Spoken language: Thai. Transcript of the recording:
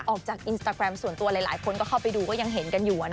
ออกจากอินสตาแกรมส่วนตัวหลายคนก็เข้าไปดูก็ยังเห็นกันอยู่